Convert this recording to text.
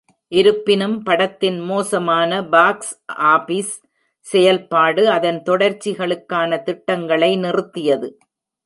இருப்பினும், படத்தின் மோசமான பாக்ஸ் ஆபிஸ் செயல்பாடு, அதன் தொடர்ச்சிகளுக்கான திட்டங்களை நிறுத்தியது.